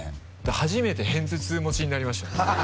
初めて片頭痛持ちになりました